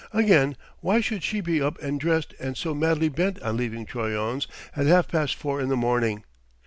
Again, why should she be up and dressed and so madly bent on leaving Troyon's at half past four in the morning?